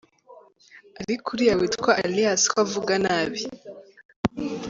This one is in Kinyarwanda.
Ariko uriya witwa Alias ko avuga nabi?